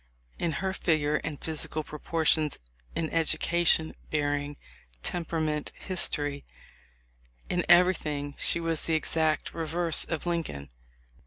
In her figure and physical proportions, in education, bearing, tempera ment, history — in everything she was the exact reverse of Lincoln.